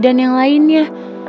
dan yang lainnya